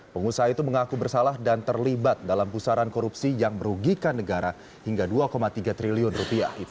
pengusaha itu mengaku bersalah dan terlibat dalam pusaran korupsi yang merugikan negara hingga dua tiga triliun rupiah